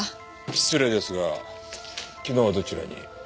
失礼ですが昨日はどちらに？